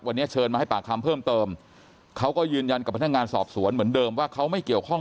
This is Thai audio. วันนี้เชิญมาให้ปากคำเพิ่มเติมเขาก็ยืนยันกับพนักงานสอบสวนเหมือนเดิมว่าเขาไม่เกี่ยวข้อง